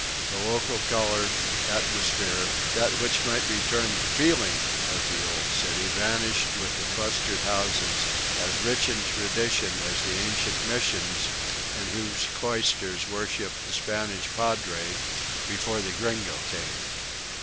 The local color, atmosphere, that which might be termed the feeling of the old city, vanished with the clustered houses, as rich in tradition as the ancient missions in whose cloisters worshiped the Spanish padre "before the Gringo came."